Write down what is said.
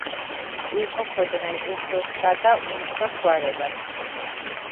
იყოფოდნენ უფროს და და უმცროს გვარებად.